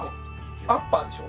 アッパーでしょ？